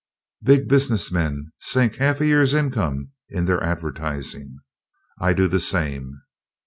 "Big business men sink half a year's income in their advertising. I do the same."